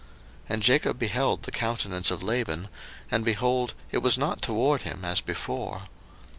01:031:002 And Jacob beheld the countenance of Laban, and, behold, it was not toward him as before.